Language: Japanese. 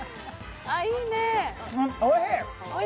おいしい！